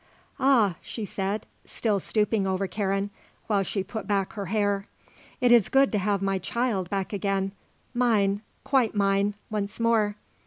"Ah," she said, still stooping over Karen, while she put back her hair, "it is good to have my child back again, mine quite mine once more."